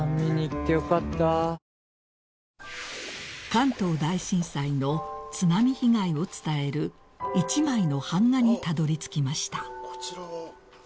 ［関東大震災の津波被害を伝える一枚の版画にたどりつきました］